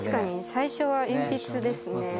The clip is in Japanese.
最初は鉛筆ですね。